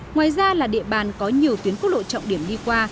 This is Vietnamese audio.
ngoài ra là địa bàn có nhiều tuyến quốc lộ trọng điểm đi qua